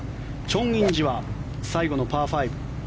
チョン・インジは最後のパー５。